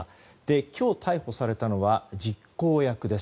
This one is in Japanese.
今日逮捕されたのは実行役です。